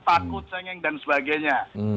takut sengeng dan sebagainya